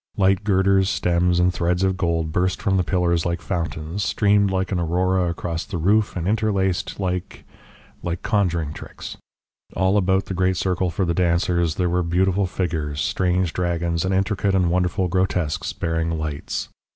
Light girders, stems and threads of gold, burst from the pillars like fountains, streamed like an Aurora across the roof and interlaced, like like conjuring tricks. All about the great circle for the dancers there were beautiful figures, strange dragons, and intricate and wonderful grotesques bearing lights.